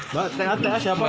mbak teat ya siapa